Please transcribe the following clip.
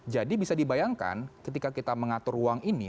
jadi bisa dibayangkan ketika kita mengatur ruang ini